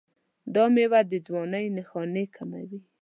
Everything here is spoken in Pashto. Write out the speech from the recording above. دا میوه د ځوانۍ نښانې کموي.